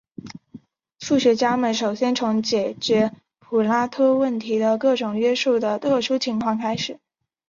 数学家们首先从解决普拉托问题的各种约束下的特殊情况开始。